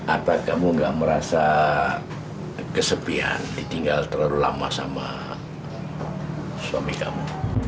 atau kamu gak merasa kesepian ditinggal terlalu lama sama suami kamu